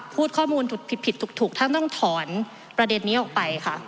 พูดข้อมูลถูกผิดถูกท่านต้องถอนประเด็นนี้ออกไปค่ะ